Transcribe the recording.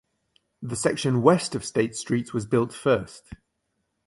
The section west of State Street was built first.